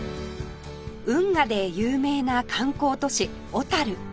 運河で有名な観光都市小